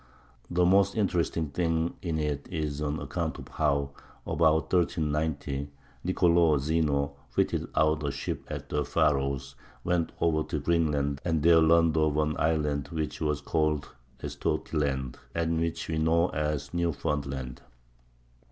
The most interesting thing in it is an account of how, about 1390, Nicolò Zeno fitted out a ship at the Faroes, went over to Greenland and there learned of an island which was called Estotiland, and which we know as Newfoundland.